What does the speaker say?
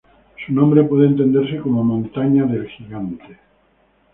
Su nombre puede entenderse como "montaña del gigante".